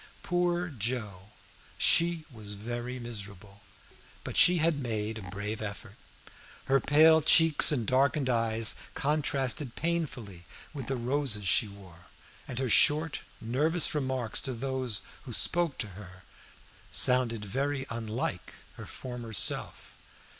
Poor Joe! she was very miserable, but she had made a brave effort. Her pale cheeks and darkened eyes contrasted painfully with the roses she wore, and her short nervous remarks to those who spoke to her sounded very unlike her former self.